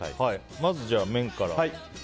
まず、麺から。